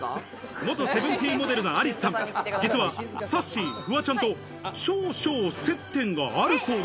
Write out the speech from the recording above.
元Ｓｅｖｅｎｔｅｅｎモデルのアリスさん、実は、さっしー、フワちゃんと少々接点があるそうで。